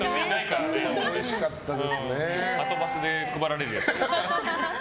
はとバスで配られるやつね。